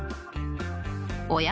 おや？